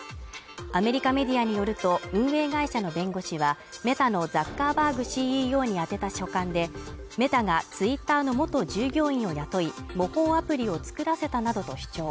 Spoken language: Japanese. アメリカメディアによると、運営会社の弁護士はメタのザッカーバーグＣＥＯに宛てた書簡で、メタがＴｗｉｔｔｅｒの元従業員を雇い模倣アプリを作らせたなどと主張。